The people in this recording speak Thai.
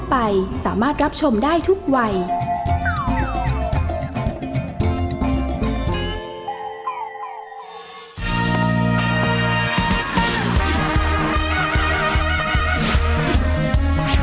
แม่บ้านประจัญบาล